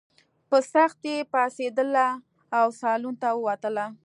په سختۍ پاڅېدله او سالون ته ووتله.